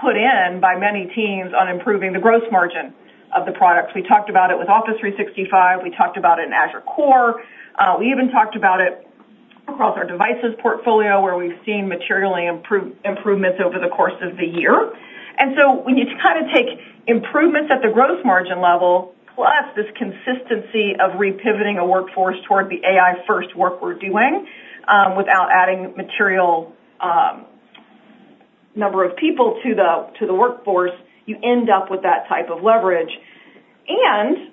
put in by many teams on improving the gross margin of the products. We talked about it with Office 365. We talked about it in Azure Core. We even talked about it across our devices portfolio, where we've seen materially improved improvements over the course of the year. And so when you kind of take improvements at the gross margin level, plus this consistency of re-pivoting a workforce toward the AI first work we're doing, without adding material number of people to the, to the workforce, you end up with that type of leverage. And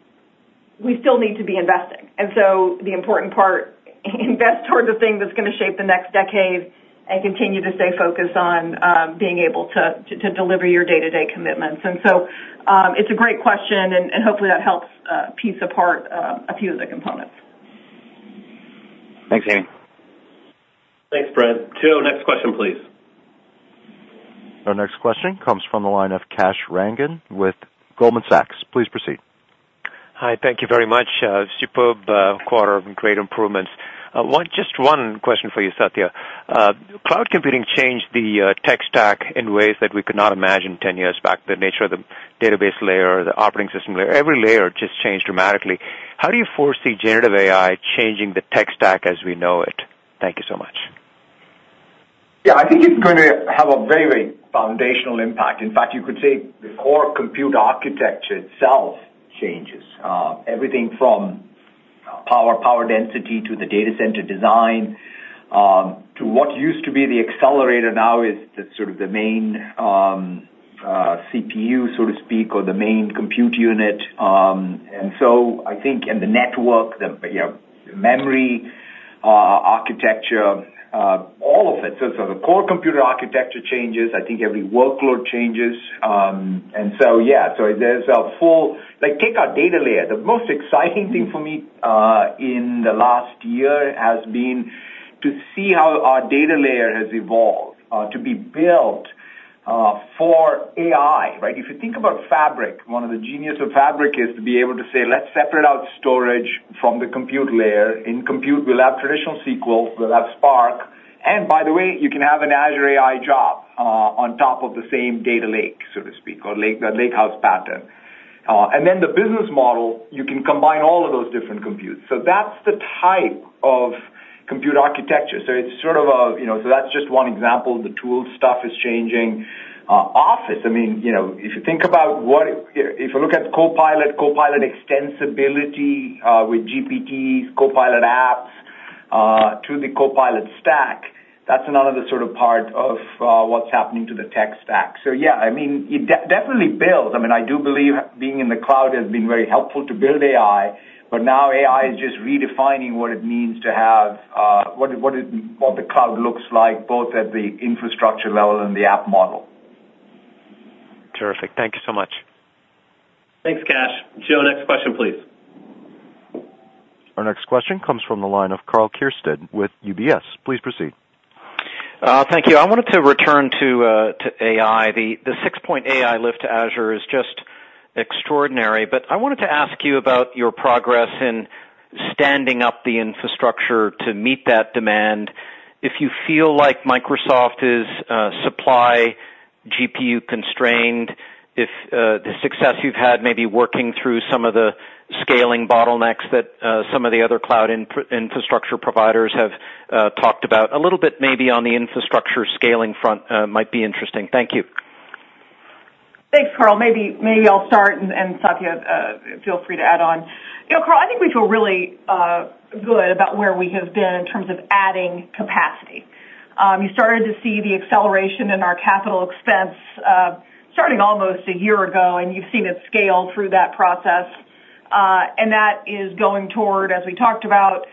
we still need to be investing. And so the important part, invest toward the thing that's gonna shape the next decade and continue to stay focused on, being able to, to, to deliver your day-to-day commitments. And so, it's a great question, and, and hopefully that helps, piece apart, a few of the components.
Thanks, Amy.
Thanks, Brett. Joe, next question, please.
Our next question comes from the line of Kash Rangan with Goldman Sachs. Please proceed.
Hi, thank you very much. Superb quarter and great improvements. Just one question for you, Satya. Cloud computing changed the tech stack in ways that we could not imagine ten years back, the nature of the database layer, the operating system layer, every layer just changed dramatically. How do you foresee generative AI changing the tech stack as we know it? Thank you so much.
Yeah, I think it's going to have a very, very foundational impact. In fact, you could say the core compute architecture itself changes. Everything from power, power density to the data center design to what used to be the accelerator now is the sort of the main CPU, so to speak, or the main compute unit. And so I think... And the network, the, you know, memory architecture, all of it. So the core computer architecture changes. I think every workload changes. And so, yeah, so there's a full- Like, take our data layer. The most exciting thing for me in the last year has been to see how our data layer has evolved to be built for AI, right? If you think about Fabric, one of the genius of Fabric is to be able to say, "Let's separate out storage from the compute layer. In compute, we'll have traditional SQL, we'll have Spark. And by the way, you can have an Azure AI job on top of the same data lake," so to speak, or lake, the Lakehouse pattern. And then the business model, you can combine all of those different computes. So that's the type of compute architecture. So it's sort of a, you know. So that's just one example of the tool stuff is changing, Office. I mean, you know, if you think about what. If you look at Copilot, Copilot extensibility with GPT, Copilot apps to the Copilot stack, that's another sort of part of what's happening to the tech stack. So yeah, I mean, it definitely builds. I mean, I do believe being in the cloud has been very helpful to build AI, but now AI is just redefining what it means to have what the cloud looks like, both at the infrastructure level and the app model.
Terrific. Thank you so much.
Thanks, Kash. Joe, next question, please.
Our next question comes from the line of Karl Keirstead with UBS. Please proceed.
Thank you. I wanted to return to AI. The six-point AI lift to Azure is just extraordinary. But I wanted to ask you about your progress in standing up the infrastructure to meet that demand, if you feel like Microsoft is supply GPU constrained, if the success you've had may be working through some of the scaling bottlenecks that some of the other cloud infrastructure providers have talked about. A little bit maybe on the infrastructure scaling front might be interesting. Thank you.
Thanks, Karl. Maybe, maybe I'll start, and, and Satya, feel free to add on. You know, Karl, I think we feel really good about where we have been in terms of adding capacity. You started to see the acceleration in our capital expense, starting almost a year ago, and you've seen it scale through that process. And that is going toward, as we talked about,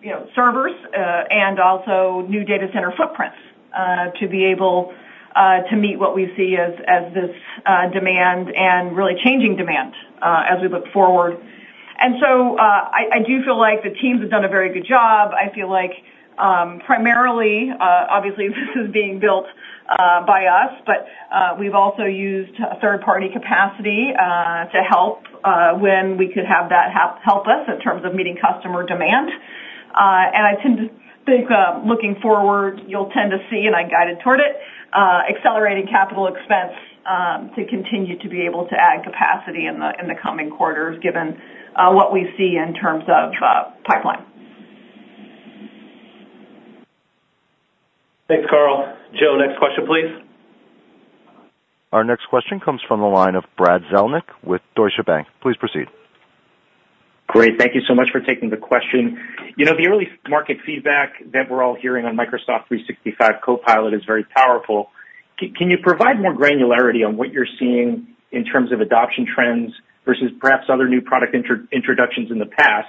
you know, servers, and also new data center footprints, to be able to meet what we see as this demand and really changing demand, as we look forward. And so, I do feel like the teams have done a very good job. I feel like, primarily, obviously, this is being built by us, but we've also used a third-party capacity to help when we could have that help us in terms of meeting customer demand. I tend to think, looking forward, you'll tend to see, and I guided toward it, accelerating capital expense to continue to be able to add capacity in the coming quarters, given what we see in terms of pipeline.
Thanks, Karl. Joe, next question, please.
Our next question comes from the line of Brad Zelnick with Deutsche Bank. Please proceed.
Great. Thank you so much for taking the question. You know, the early market feedback that we're all hearing on Microsoft 365 Copilot is very powerful.... Can you provide more granularity on what you're seeing in terms of adoption trends versus perhaps other new product introductions in the past?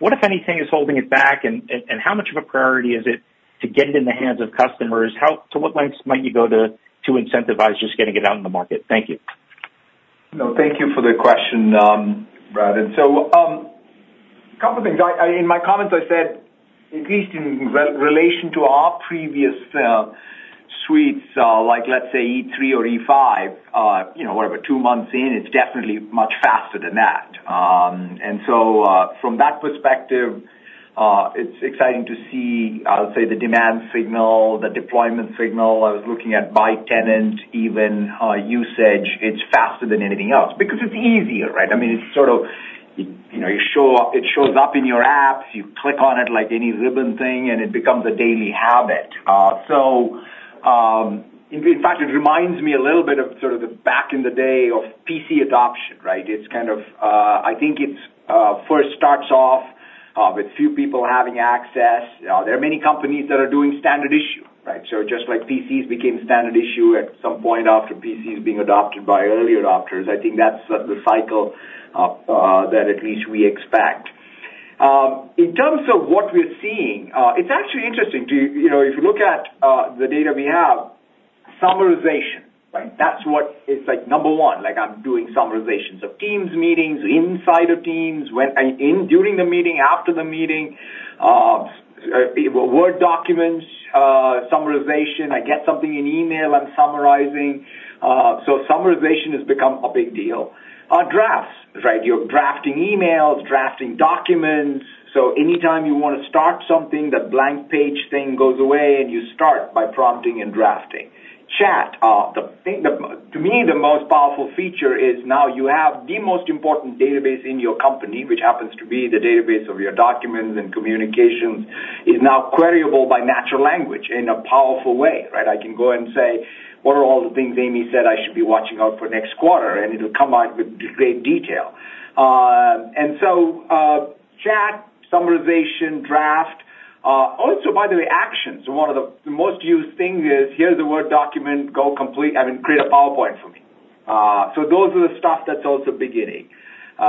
What, if anything, is holding it back? And how much of a priority is it to get it in the hands of customers? To what lengths might you go to incentivize just getting it out in the market? Thank you.
No, thank you for the question, Brad. So, couple of things. In my comments, I said, at least in relation to our previous suites, like, let's say, E3 or E5, you know, whatever, two months in, it's definitely much faster than that. From that perspective, it's exciting to see, I'll say, the demand signal, the deployment signal. I was looking at, by tenant, even usage, it's faster than anything else because it's easier, right? I mean, it's sort of, you know, you show up, it shows up in your apps, you click on it like any ribbon thing, and it becomes a daily habit. In fact, it reminds me a little bit of sort of the back in the day of PC adoption, right? It's kind of, I think it's first starts off with few people having access. There are many companies that are doing standard issue, right? So just like PCs became standard issue at some point after PCs being adopted by early adopters, I think that's the cycle that at least we expect. In terms of what we're seeing, it's actually interesting to, you know, if you look at the data we have, summarization, right? That's what is, like, number one, like, I'm doing summarizations of Teams meetings, inside of Teams, when and during the meeting, after the meeting, Word documents, summarization. I get something in email, I'm summarizing. So summarization has become a big deal. Drafts, right? You're drafting emails, drafting documents, so anytime you want to start something, the blank page thing goes away, and you start by prompting and drafting. Chat, the thing, to me, the most powerful feature is now you have the most important database in your company, which happens to be the database of your documents and communications, is now queryable by natural language in a powerful way, right? I can go and say: What are all the things Amy said I should be watching out for next quarter? And it'll come out with great detail. And so, chat, summarization, draft, also, by the way, actions, one of the most used thing is, here's the Word document, go complete, I mean, create a PowerPoint for me. So those are the stuff that's also beginning. So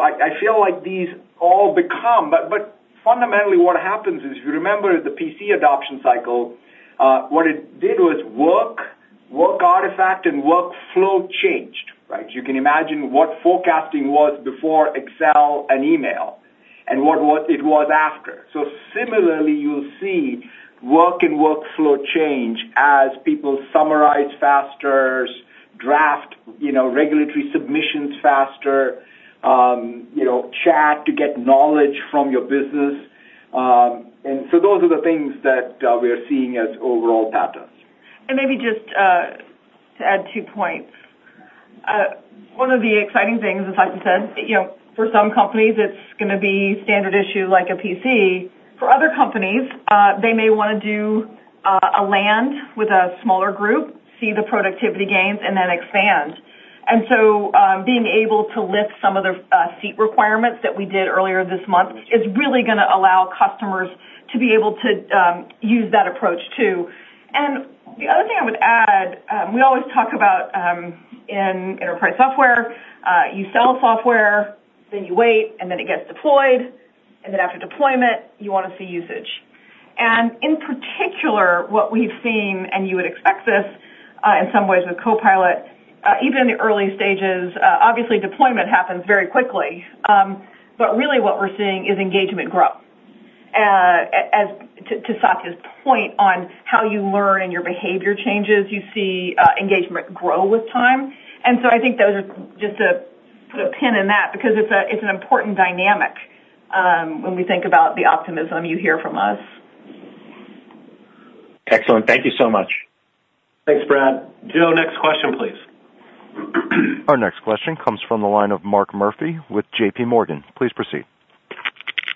I feel like these all become. But fundamentally, what happens is, if you remember the PC adoption cycle, what it did was work artifact and workflow changed, right? You can imagine what forecasting was before Excel and email, and what it was after. So similarly, you'll see work and workflow change as people summarize faster, draft, you know, regulatory submissions faster, you know, chat to get knowledge from your business. And so those are the things that we are seeing as overall patterns.
Maybe just to add 2 points. One of the exciting things, as Satya said, you know, for some companies, it's gonna be standard issue like a PC. For other companies, they may want to do a land with a smaller group, see the productivity gains, and then expand. And so, being able to lift some of the seat requirements that we did earlier this month, is really gonna allow customers to be able to use that approach, too. And the other thing I would add, we always talk about in enterprise software, you sell software, then you wait, and then it gets deployed, and then after deployment, you want to see usage. In particular, what we've seen, and you would expect this, in some ways with Copilot, even in the early stages, obviously deployment happens very quickly, but really what we're seeing is engagement grow. As to Satya's point on how you learn and your behavior changes, you see, engagement grow with time. And so I think those are just to put a pin in that because it's a, it's an important dynamic, when we think about the optimism you hear from us.
Excellent. Thank you so much.
Thanks, Brad.
Joe, next question, please.
Our next question comes from the line of Mark Murphy with JPMorgan. Please proceed.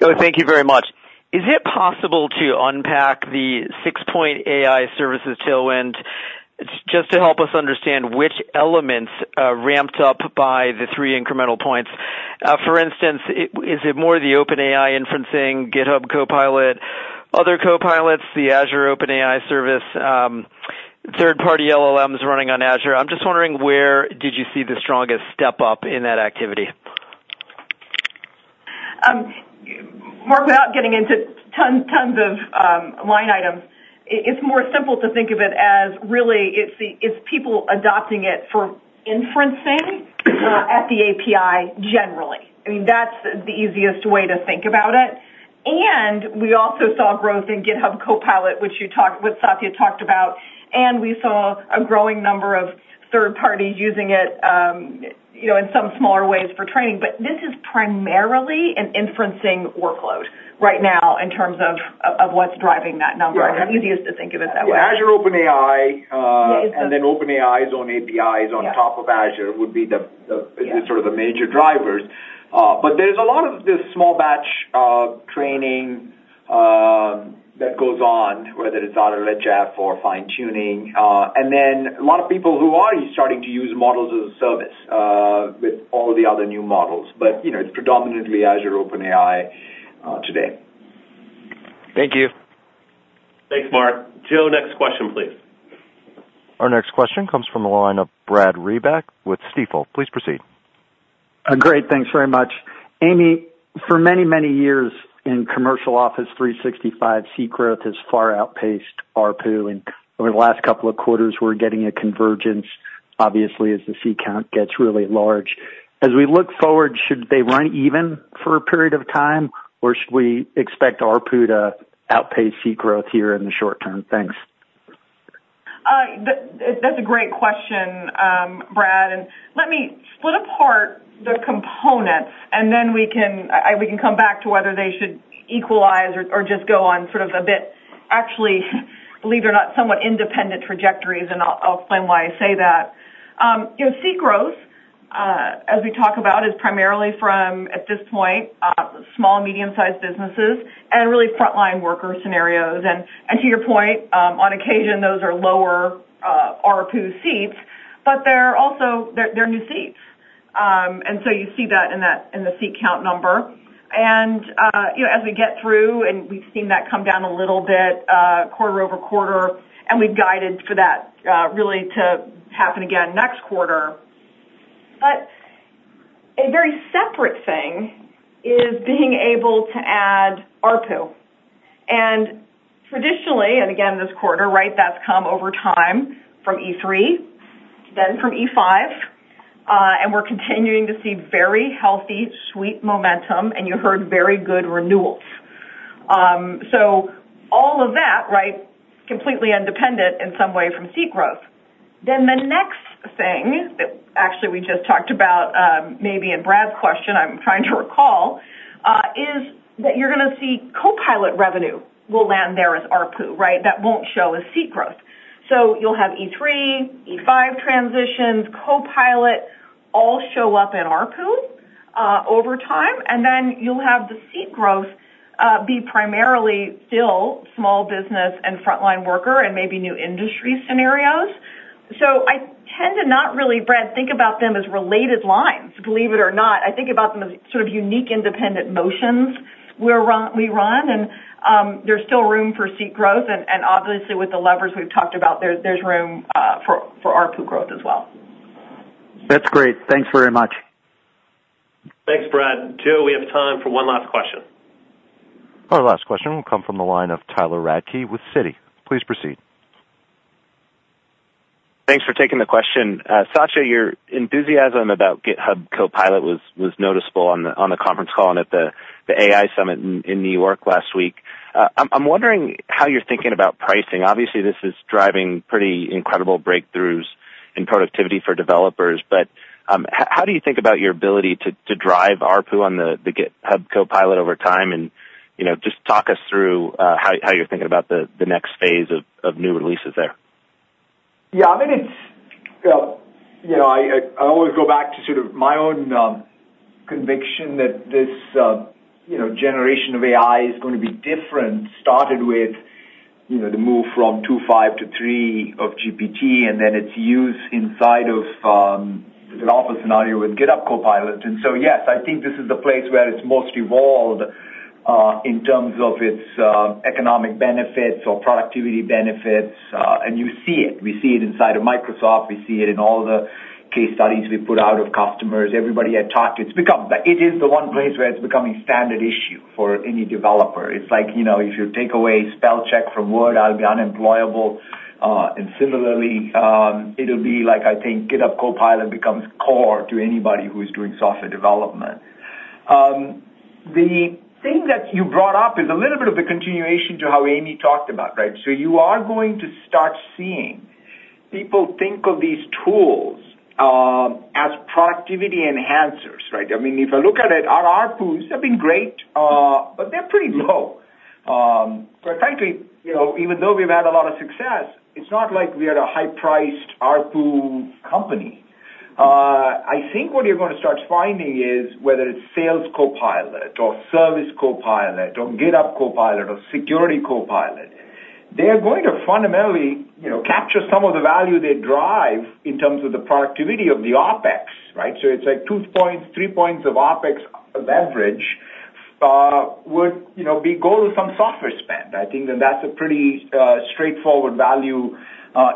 Thank you very much. Is it possible to unpack the 6-point AI services tailwind, just to help us understand which elements ramped up by the 3 incremental points? For instance, is it more the OpenAI inferencing, GitHub Copilot, other Copilots, the Azure OpenAI service, third-party LLMs running on Azure? I'm just wondering, where did you see the strongest step up in that activity?
Mark, without getting into tons of line items, it's more simple to think of it as really it's the people adopting it for inferencing at the API generally. I mean, that's the easiest way to think about it. And we also saw growth in GitHub Copilot, which Satya talked about, and we saw a growing number of third parties using it, you know, in some smaller ways for training. But this is primarily an inferencing workload right now, in terms of what's driving that number.
Yeah.
The easiest to think of it that way.
Azure OpenAI.
Yeah.
and then OpenAI's own APIs
Yeah.
on top of Azure would be the
Yeah.
-sort of the major drivers. But there's a lot of this small batch training that goes on, whether it's RLHF or fine-tuning, and then a lot of people who are starting to use models as a service with all the other new models. But, you know, it's predominantly Azure OpenAI today.
Thank you.
Thanks, Mark. Joe, next question, please.
Our next question comes from the line of Brad Reback with Stifel. Please proceed.
Great. Thanks very much. Amy, for many, many years in commercial Office 365, seat growth has far outpaced ARPU, and over the last couple of quarters, we're getting a convergence, obviously, as the seat count gets really large. As we look forward, should they run even for a period of time, or should we expect ARPU to outpace seat growth here in the short term? Thanks.
That's a great question, Brad, and let me split apart the components, and then we can come back to whether they should equalize or just go on sort of a bit, actually, believe it or not, somewhat independent trajectories, and I'll explain why I say that. You know, seat growth, as we talk about, is primarily from, at this point, small, medium-sized businesses and really frontline worker scenarios. And to your point, on occasion, those are lower ARPU seats, but they're also they're new seats. And so you see that in the seat count number. And you know, as we get through, and we've seen that come down a little bit, quarter-over-quarter, and we've guided for that really to happen again next quarter. A very separate thing is being able to add ARPU. Traditionally, and again, this quarter, right, that's come over time from E3, then from E5, and we're continuing to see very healthy suite momentum, and you heard very good renewals. So all of that, right, completely independent in some way from seat growth. Then the next thing that actually we just talked about, maybe in Brad's question, I'm trying to recall, is that you're gonna see Copilot revenue will land there as ARPU, right? That won't show as seat growth. You'll have E3, E5 transitions, Copilot all show up in ARPU, over time, and then you'll have the seat growth, be primarily still small business and frontline worker and maybe new industry scenarios. I tend to not really, Brad, think about them as related lines, believe it or not. I think about them as sort of unique, independent motions where we run, and there's still room for seat growth. And obviously, with the levers we've talked about, there's room for ARPU growth as well.
That's great. Thanks very much.
Thanks, Brad. Joe, we have time for one last question.
Our last question will come from the line of Tyler Radke with Citi. Please proceed.
Thanks for taking the question. Satya, your enthusiasm about GitHub Copilot was noticeable on the conference call and at the AI Summit in New York last week. I'm wondering how you're thinking about pricing. Obviously, this is driving pretty incredible breakthroughs in productivity for developers, but how do you think about your ability to drive ARPU on the GitHub Copilot over time? You know, just talk us through how you're thinking about the next phase of new releases there.
Yeah, I mean, it's, you know, I, I always go back to sort of my own conviction that this, you know, generation of AI is going to be different, started with, you know, the move from 2.5 to 3 of GPT, and then it's used inside of development scenario with GitHub Copilot. And so, yes, I think this is the place where it's most evolved in terms of its economic benefits or productivity benefits, and you see it. We see it inside of Microsoft. We see it in all the case studies we put out of customers, everybody I talk to. It's become. It is the one place where it's becoming standard issue for any developer. It's like, you know, if you take away spell check from Word, I'll be unemployable. And similarly, it'll be like, I think GitHub Copilot becomes core to anybody who's doing software development. The thing that you brought up is a little bit of a continuation to how Amy talked about, right? So you are going to start seeing people think of these tools, as productivity enhancers, right? I mean, if I look at it, our ARPUs have been great, but they're pretty low. But frankly, you know, even though we've had a lot of success, it's not like we are a high-priced ARPU company. I think what you're gonna start finding is whether it's Sales Copilot or Service Copilot or GitHub Copilot or Security Copilot, they're going to fundamentally, you know, capture some of the value they drive in terms of the productivity of the OpEx, right? So it's like 2 points, 3 points of OpEx of average, would, you know, be going to some software spend. I think that's a pretty straightforward value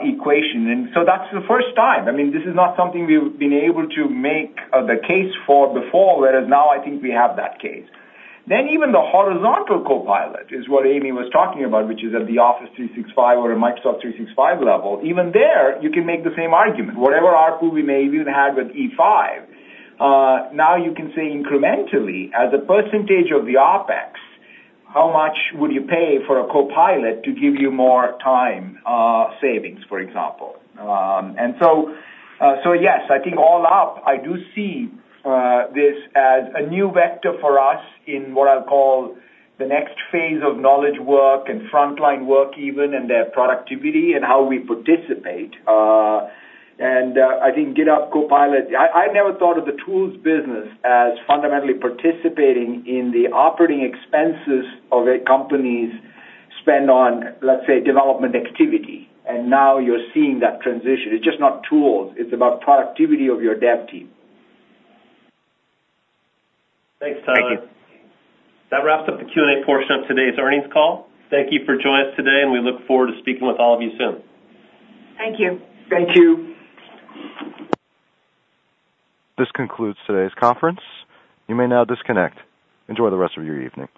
equation. So that's the first time. I mean, this is not something we've been able to make the case for before, whereas now I think we have that case. Then even the horizontal Copilot is what Amy was talking about, which is at the Office 365 or a Microsoft 365 level. Even there, you can make the same argument. Whatever ARPU we may even had with E5, now you can say incrementally, as a percentage of the OpEx, how much would you pay for a Copilot to give you more time savings, for example? So yes, I think all up, I do see this as a new vector for us in what I'll call the next phase of knowledge work and frontline work even, and their productivity and how we participate. I think GitHub Copilot... I never thought of the tools business as fundamentally participating in the operating expenses of a company's spend on, let's say, development activity, and now you're seeing that transition. It's just not tools. It's about productivity of your dev team. Thanks, Tyler.
Thank you.
That wraps up the Q&A portion of today's earnings call. Thank you for joining us today, and we look forward to speaking with all of you soon.
Thank you.
Thank you.
This concludes today's conference. You may now disconnect. Enjoy the rest of your evening.